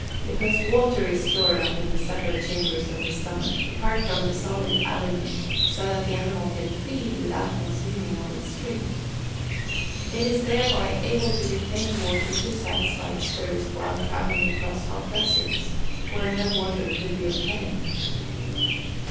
_ Because water is stored up in the separate chambers of the stomach, apart from the solid aliment, so that the animal can feed, without consuming all its drink. It is thereby able to retain water to satisfy its thirst while travelling across hot deserts, where no water could be obtained.